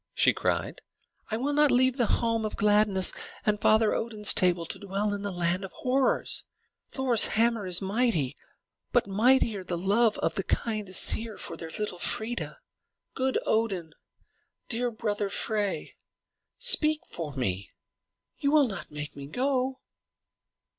she cried. "I will not leave the home of gladness and Father Odin's table to dwell in the land of horrors! Thor's hammer is mighty, but mightier the love of the kind Æsir for their little Freia! Good Odin, dear brother Frey, speak for me! You will not make me go?"